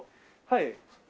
はい。